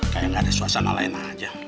kayak gak ada suasana lain aja